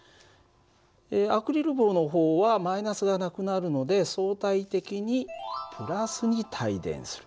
アクリル棒の方はがなくなるので相対的にに帯電する。